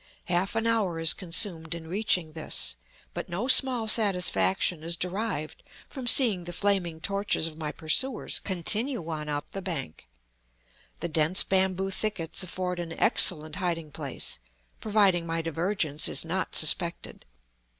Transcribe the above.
Half an hour is consumed in reaching this; but no small satisfaction is derived from seeing the flaming torches of my pursuers continue on up the bank. The dense bamboo thickets afford an excellent hiding place, providing my divergence is not suspected.